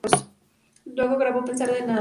Luego grabó "Pensar en nada".